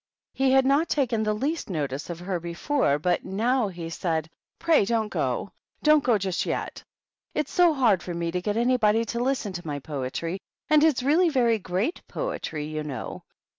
He had not taken the least notice of her before, but now he said, " Pray donH go, — don't go just yet; it's so hard for me to get anybody to listen to my poetry, and it's really very great poetry, you know.